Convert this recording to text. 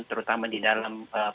terutama di dalam